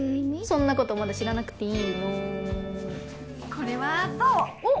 そんなことまだ知らなくていいのこれはどう？